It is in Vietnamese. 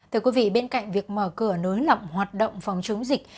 thưa quý vị bên cạnh việc mở cửa nới lọng hoạt động phòng chống dịch